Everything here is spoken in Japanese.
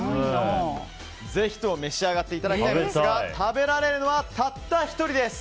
ぜひとも召し上がっていただきたいですが食べられるのは、たった１人です。